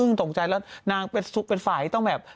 ตกใจแล้วนางเป็นฝ่ายที่ต้องแบบ